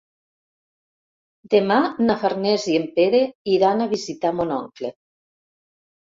Demà na Farners i en Pere iran a visitar mon oncle.